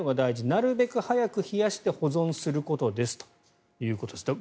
なるべく早く冷やして保存することですということです。